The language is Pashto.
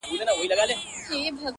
پسله کلونو چي پر ځان بدگمانې کړې ده~